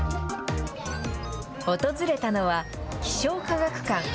訪れたのは気象科学館。